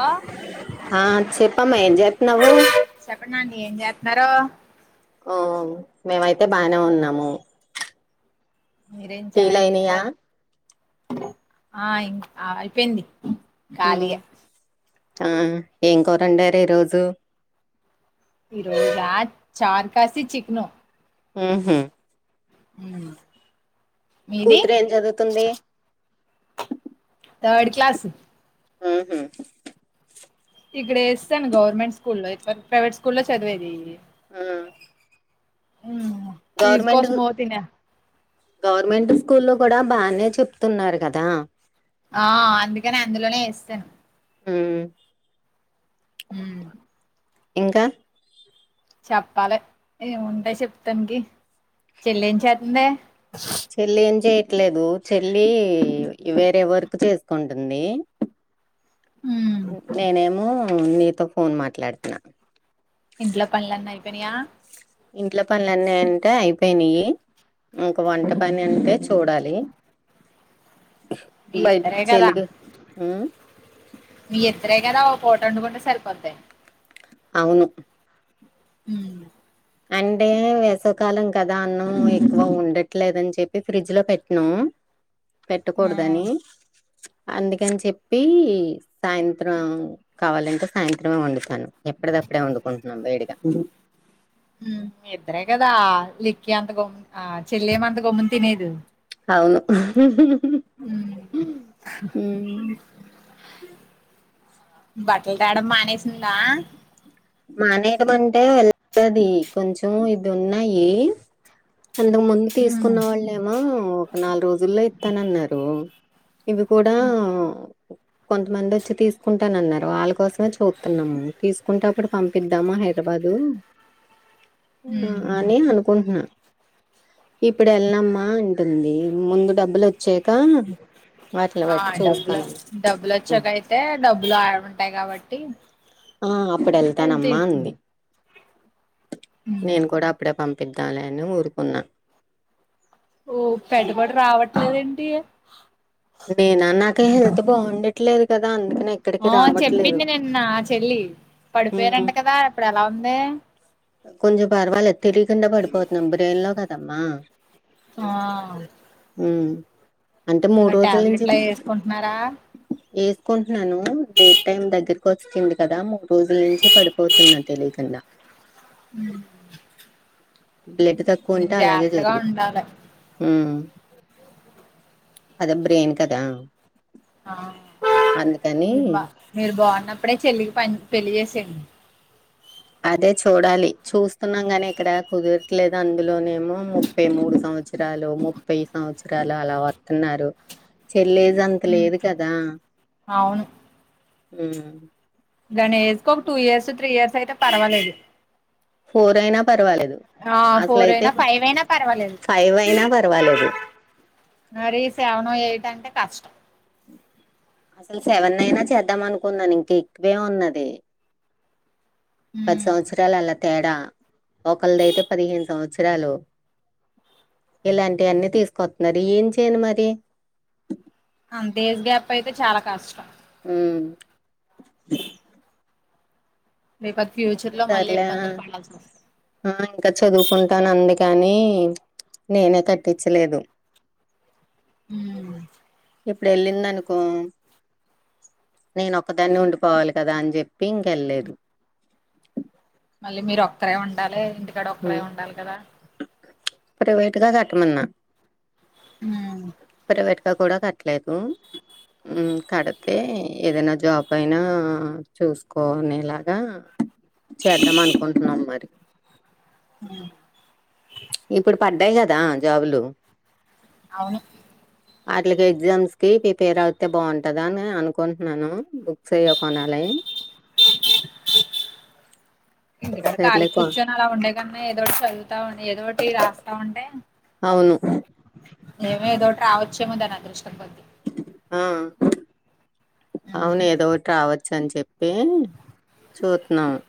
ఆ ఆ చెప్పమ్మా ఏం జెతున్నావు. చెప్పండి ఏం జెతున్నారు. ఓ మేమైతే బానే ఉన్నాము. మీరేం చ టీలు ఏం అయినయా జెతు ఆ ఇంఅయిపోయింది. ఉమ్ కాలిగా. ఆ ఏం కోరండారు ఈరోజు. ఇ రోజ చార్కాసి చికను. ఉహు. అ కూతురు ఎం జాదువుతుంది. Third class. ఉహు. ఇక్కడేస్తాను గవర్నమెంట్ స్కూల్లో ఇదివరకు, ప్రైవేట్ స్కూల్లో చదివేదిది. ఊమ్. చీస్కోస్ మో తిన. గవర్నమెంట్ స్కూల్లో కూడా బానే చెప్తున్నారు కదా. ఆ అందుకని అందులోనే ఎసాను. ఊమ్. ఊమ్. ఇంకా. చెప్పాలి ఏముంటాయి చెప్తానికి చెల్లి ఎం చేతుందే. చెల్ల ఎం జేయ్. చెట్లేదు చెల్లీ వేరే వర్కు చేసుకుంటుంది. నేనేమో నీతో ఫోన్ మాట్లాడుతున్నా. ఇంట్లో పనులన్నాయిపోనియా. ఇంట్లో పనులన్న అంటే అయిపోయినాయి. ఇంక వంట పని అంటే చూడాలి. మీ బయటికి ఇద్దరే కదా చెలిగు ఉమ్. ఇద్దరే గదా ఓ పూట అండుకుంటే సరిపోద్. అవును. ఉమ్. అంటే వేసవికాలం కదా అన్నం ఎక్కువ ఉండట్లేదని చెప్పి ఫ్రిడ్జ్ లో పెట్టినము. ఆ పెట్టకూడదని. అందుకని చెప్పి సాయంత్రం కావాలంటే సాయంత్రమే వొండుతాను ఎప్పుటిద. అప్పుడే వండుకుంటున్నాం వేడి గ. ఇద్దరే గదా లిక్క అంత గమ్ ఆ చెల్లేమంత గమ్న తినేదు. అవును. ఉమ్. బట్టలు తేడం మానేసిందా. మానేయడం అంటే వెళది కొంచెం ఇది ఉన్నాయి. అంతకు ముందు ఉమ్ తీసుకున్న వాళ్ళేమో ఒక నాలుగు రోజుల్లో ఇత్తనన్నారూ. ఇవి కూడా ఉ. కొంతమంది ఓచ్చి తీసుకుంటానన్నారు ఆళ్ళ కోసమే చూత్తున్నాము తీసుకుంటేప్పుడు పంపిద్దామా అ. హైదరాబాదూ అ అని అనుకుంటున్నా. ఇప్పుడు ఎళ్లమ్మా అంటుంది ముందు డబ్బులు. [inaudible] ఆ డబ్బులు చూస్తానమ్మా. డబ్బులు హ్మ్. వచ్చాక అయితే డబ్బులు ఆ ఉంటాయి కాబట్టి ఆ అప్పుడు వెళ్ళి వెల్తనమ్మా అంది తీసుకుంది నేను కూడా అప్పుడే పంపి పిద్దాంలే అని ఊరుకున్నా ఓ పెద్దబడి రావట్లేదేంటి నేనా నాకు హెల్త్ బాగుండట్లేదు ఆ చెప్పింది నిన్న ఆ చెల్లి హ్మ్. పడిపోయారంట కదా ఇప్పుడు ఎలా ఉంది [unintelligible] కొంచెం పర్వాలేదు తెలియకుండా పడిపోతున్నాం బ్రెయిన్ లో కదమ్మా ఆ ఉ అంటే మూడు మరి రోజుల నుంచి టాబ్లెట్లు అయి వేసుకుంటున్నారా వేసుకుంటున్నాను డే టైమ్ దగ్గరకు వస్తుంది కదా మూడు రోజుల నుంచి పడిపోతున్నా తెలియకుండా [inaudible] ఉ బ్లడ్ తక్కువ ఉంటే అలాగే జరుగుది ఉండాలి ఉ అదే బ్రెయిన్ కదా ఆ అందుకని మీరు బా మీరు బాగున్నప్పుడే చెల్లి పెళ్ళి చేేసేయండి అదే చూడాలి చూస్తున్నాం కాని ఇక్కడ కుదరట్లేదు అందులోనేమో ముప్పై మూడు సంవత్సరం సంవత్సరాలు ముప్పై సంవత్సరాల అలా వత్తున్నారు పిల్ల ఏజ్ అంత లేదు కదా అవును దాని ఎజ్కు ఒక టూ ఇయర్స్ త్రీ ఇయర్స్ అయితే పర్వాలేదు ఫోర్ అయినా పర్వాలేదు ఆ అసల ఫోర్ అయితే అయినా ఫైవ్ అయినా పర్వాలేదు ఫైవ్ అయినా పర్వాలేదు మరి సెవను ఎయిట్ అంటే కష్టం అసలు సెవెన్ అయినా చేద్దాం అనుకున్నాను ఇంక ఎక్కువే ఉన్నది పది ఉమ్ సంవత్సరాల అలా తేడా ఒక్కలదయితే పదిహేను సంవత్సరాలు ఇలాంటివన్నీ తీసుకొతున్నారు ఏం చేయలి మరి అంత ఎజ్ గ్యాప్ అయితే చాలా కష్టం ఉ లేకపోతే ఫ్యూచర్ ఇకా లో మళ్ళీ సర్లే ఇబ్బందులు పడాల్సి వస్తుంది ఆ ఇంకా చదువుకుంటాను అంది కాని నేనే తట్టించలేదు ఉ ఇప్పుడు వెళ్ళింది అనుకో నేను ఒక్కదాన్ని ఉండిపోవాలి కదా అని చెప్పి ఇంకా వెళ్లలేదు మళ్ళీ మీరు ఒక్కరే ఉండాలి ఇంటికాడ ఒక్కరే ఉండాలి కదా ప్రవేట్గా కట్టమన్నా ఉ ప్రవేట్ కూడా కట్టలేదు కడితే ఏదైనా జాబ్ అయినా చూసుకునేలాగా చేద్దాం అనుకుంటున్నాం మరి అ పడ్డాయి్ కదా జాబులు అవును వాటికి ఎగ్జామ్స్ కి ప్రిపేర్ అయితే బాగుంటదా అని అనుకుంటున్నాను బుక్స్ అయ్యి కొనాలి ఇంటికాడా సర్లే కాలిగా కొ కూర్చొని అలా ఉండేకన్నా ఏదోటి చదువుతా ఉండి ఏదో ఒకటి రాస్తా ఉంటే అవును. ఏమే ఏదో ఒకటి రావచ్చో ఏమో దాని అదృష్టం కొద్ది ఆ అవును ఏదో ఒకటి రావచ్చు అని చెప్పి చూతున్నాము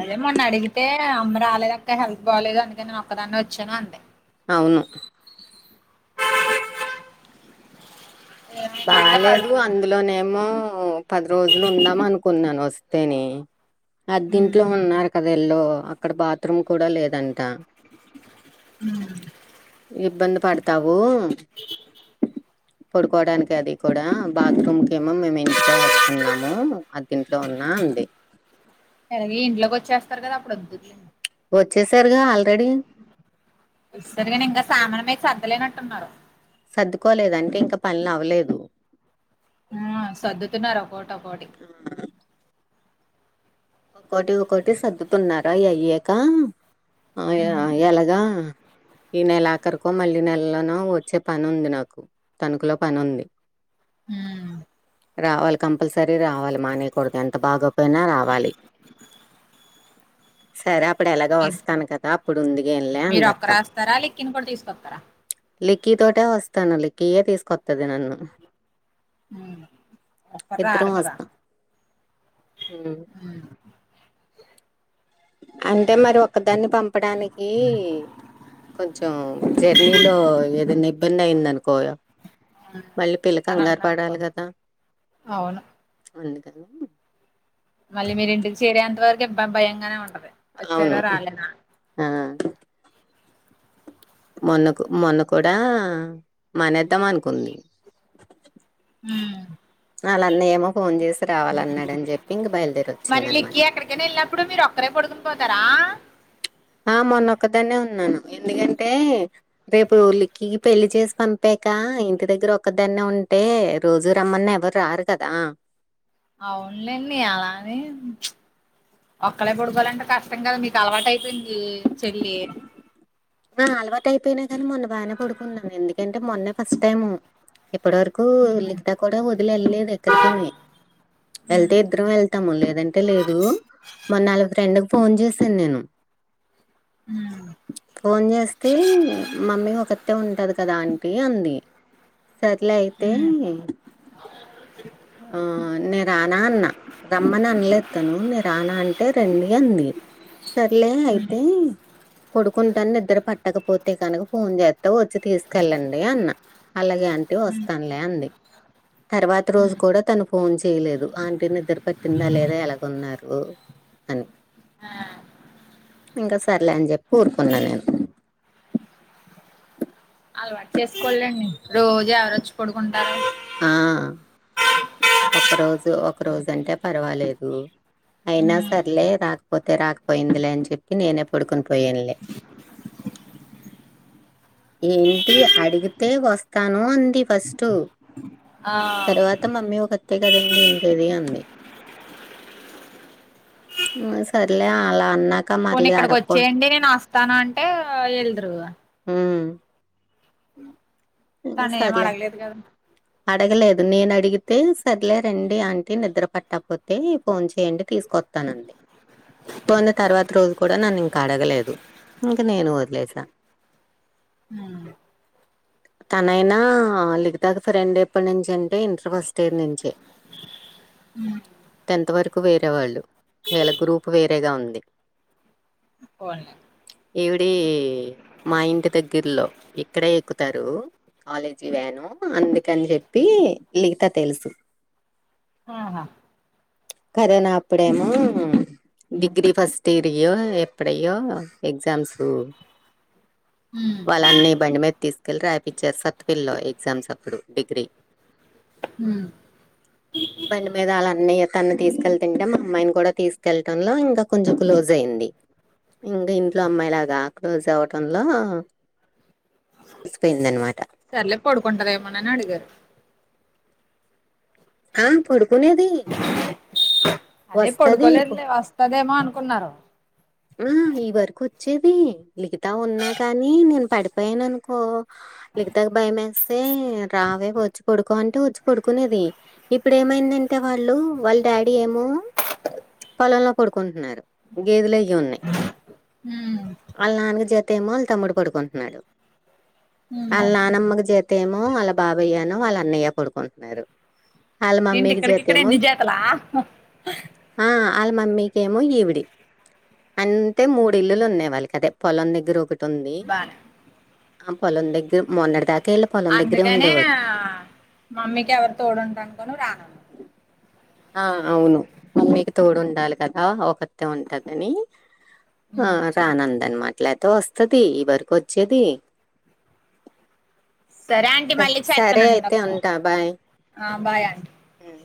అదే మొన్న అడిగితే అమ్మ రాలేద అక్క హెల్త్ బాలేదు అందుకే నేను ఒక్కదాన్నే వచ్చాను అంది అవును ఏమైందంటే బాలేదు పడుకునిన్నాను అని. అందులోనేమో పది రోజులు ఉందాం అనుకున్నాను వస్తేనీ అద్దె ఇంట్లో ఉన్నారు కదా ఈళ్ళు అక్కడ బాత్రూమ్ కూడా లేదంట అ ఇబ్బంది పడతావు పడుకోడానికి అది కూడా బాత్రూమ్ కేమో మేము ఇంటికే వస్తున్నాము అద్దింట్లో ఉన్నా అంది ఎలాగో ఇంట్లోకి వచ్చేస్తారు కదా అప్పుడు వద్దువులే వచ్చేసారుగా అ సరే కానీ ఇంకా సామాను మీరు సద్దలేనట్టున్నారు దుకోలేదు అంటే ఇంకా పనులు అవ్వలేదు ఆ సర్దుతున్నారు ఒకొక్కటి ఒకొక్కటి ఒక్కోటి ఒక్కోటి సర్దుతున్నారా అయ్యాక ఎలాగా ఈ నెల ఆఖరికో మళ్ళీ నెలలోనో వచ్చే పను ఉంది నాకు తణుకులో పనుంది ఉమ్ రావాలి కంపల్సరీ రావాలి మానేయకూడదు ఎంత బాగోపోయినా రావాలి సరే అప్పుడు ఎలాగో వస్తాను కదా అప్పుడు ఉందుగానిలే మీరు ఒక్క అందక్క రాస్తారా లిక్కిని కూడా తీసుకొస్తారా లిక్కీ తోటే వస్తాను లిక్కీయే తీసుకొత్తది నన్ను ఒక్కరు ఇద్దరం రారు కదా వస్తాం ఉమ్ అంటే మరి ఒక్కదాన్ని పంపడానికి కొంచెం జర్నీలో ఏదైనా ఇబ్బంది అయిందనుకో మళ్ళీ పిల్ల తను కంగారు ఉందనుకో పడాలి కదా అవును ఉంది అ మళ్ళీ మీరి ఇంటికి చేరేంత వరకు భయంగానే ఉంటది అవును వచ్చారా రాలేదా అని ఆ మొన్నకు మొన్న కూడా మానేద్దాం అనుకుంది ఉమ్ వాళ్ళ అన్నయ్యేమో ఫోన్ చేసి రావాలన్నాడని చెప్పి ఇంక బయలుదేరి వచ్చిందన్నమాట అక్కడే పడుకుండిపోతారా ఆ మొన్నక్కదాన్నే ఉన్నాను ఎందుకంటే రేపు ఉల్లిక్కి పెళ్లి చేసి పంపే అక్కా ఇంటి దగ్గర ఒక్కదాన్నే ఉంటే రోజు రమ్మన్నా ఎవరు రారు కదా అవునులేండి అలానే ఒక్కళే పొడకోవాలంటే కష్టం కదా మీకు అలవాటు అయిపోయింది చెల్లి హ అలవాటు అయిపోయినా కానీ మొన్న బానే పడుకున్నాను ఎందుకంటే మొన్నే ఫస్ట్ టైము ఇప్పటి వరకు లిఖిత కూడా వదిలి ఎళ్ళలేదు ఎక్కడికిని వెళ్తే ఇద్దరం వెళ్తాము లేదంటే లేదు మొ నాలుగు ఫ్రెండ్ ఫోన్ చేసాను నేను ఉ ఫోన్ చేస్తే మమ్మీ ఒకతే ఉంటది కదా ఆంటీ అంది సర్లే అయితే ఆ నే రానా అన్న రమ్మ న అనలేదు తను నేను రానా అంటే రండి అంది సర్లే అయితే పడుకుంటాను నిద్ద్ర పట్టకపోతే కనుక ఫోన్ చేస్తా వచ్చి తీసుకెళ్ళండి అన్న అలాగే ఆంటి వస్తానులే అంది తర్వాత రోజు కూడా తను ఫోన్ చేయలేదు ఆంటీ నిద్ర పట్టిందా లేదా ఎలాగన్నారు అని ఆ ఇంకా సర్లే అని చెప్పి ఊరుకున్నా నేను అలవాటు చేసుకోవలేండి రోజు ఎవరొచ్చి పడుకుంటారూ ఆ ఒక రోజు ఒక రోజు అంటే పర్వాలేదు అయినా సర్లే రాకపోతే రాకపోయిందిలే అని చెప్పి నేనే పడుకుని పోయానులే ఏంటి అడిగితే వస్తాను అంది ఫస్ట్ ఆ తర్వాత మమ్మీ ఒక తే కదండి ఉండేది అంది సరేలే అలా అన్న పోనీ ఇక్కడికి వచ్చేయండి నేను వస్తాను అంటే వెల్దురు తను ఏం సార్లే అడగలేదు కదా అడగలే నేను అడిగితే సరేలే రండి ఆంటీ నిద్ర పట్టకపోతే ఫోన్ చేయండి తీసుకొస్తానండి పొనీ తర్వాత రోజు కూడా నన్ను ఇంకా అడగలేదు ఇంక నేను వదిలేసా హ్మ్ తనైనా లిఖీతాకి ఫ్రెండ్ ఎప్పటి నుంచి అంటే ఇంటర్ ఫస్ట్ ఇయర్ నుంచే టెన్త్ వరకు వేరేవాళ్ళు ఏళ గ్రూపు వేరేగా ఉంది పోన్లే ఈవిడీ మా ఇంటి దగ్గర్లో ఇక్కడే ఎక్కు తారు కాలేజీకి వను అందుకని చెప్పి లిత తెలుసు ఆహా కరోనా అప్పుడేమో డిగ్రీ ఫస్ట్ ఇయర్యో ఎప్పుడయో ఎగ్జామ్స్ వాళ్ళన్నీయా బండి మీద తీసుకెళ్లి రాయిచ్చారు సత్పిల్ల్లో ఎగ్జామ్స్ అప్పుడు డిగ్రీ హ్మ్ బండి మీద అల్ల అన్నయ్య తన్ను తీసుకెలు తుంటే మా అమ్మాయిని కూడా తీసుకెళ్ళటంలో ఇంకా కొంచెం క్లోజ్ అయ్యింది ఇంకా ఇంట్లో అమ్మాయిలాగా క్లోజ్ అవ్వటంలో కలిసిపోయింది అనమాట సర్లే పడుకుంటద ఏమేనని అడిగాను ఆ పడుకునేది అదే వస్తది పొడుకోలే పో వాస్తా రేమో అనుకున్నారు ఆ ఈ వరకు వచ్చేది లిఖిత ఉన్నా కాని నేను పడిపోయాను అనుకో లితాకి భయమేస్తే రావే వచ్చి పడుకో అంటే వచ్చి పడుకునేది ఇప్పుడ ఏమైంది అంటే వాళ్ళు వాళ్ళ డాడీ ఏమో పొలంలో పడుకుంటున్నారు గేదల ఉన్నాయి ఉమ్ ఆలా నాన్న జతేమో వాళ్ళ తమ్ముడు పడుకుంటున్నాడు వాళ్ళ నానమ్మకు జెతేమో ఏమో వాళ్ళ బాబయ్యాను వాళ్ళ అన్నయ్య పోడుకుంటున్నారు ఆలా ఏంటి మమ్మీకి ఇక్కడికిక్కడ జెతేమో ఎన్ని జతలా ఆ వాళ్ళ మమ్మీకి ఏమో ఈవిడి అంతె మూడు ఇల్లులు ఉన్నాయి వాళ్ళకీ అదే పొలం దగ్గర ఒకటి ఉంది బానే ఆ పొలం దగ్గర మొన్నటి దా అందుకనే మమ్మీకి ఎవరు తోడుండారనుకుని రాను ఆ అవును మమ్మీకి తోడు ఉండాలి కదా ఒకతే ఉంటదని ఆ రానందన్ మా లేతో వస్తది ఈ వరకు వచ్చేది సరే అంటీ మళ్ళీ చేతనుండండి ఒకసారి ఉంటా. బాయ్. ఆ బాయ్ ఆంటీ హ్మ్.